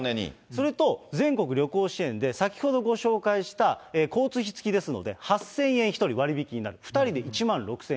すると、全国旅行支援で、先ほどご紹介した交通費付きですので、８０００円、１人割引になる、２人で１万６０００円。